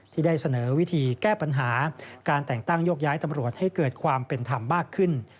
ที่ได้เสนอวิธีแก้ปัญหาการแต่งตั้งโยกย้ายตำรวจให้เกิดความเป็นธรรมมากขึ้น